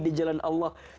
di jalan allah